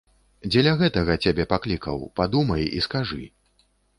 Дзеля гэтага цябе паклікаў, падумай і скажы.